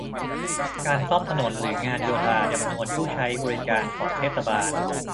การซ่อมถนน หรือ งานโยธา จำนวนผู้ใช้บริการของเทศบาล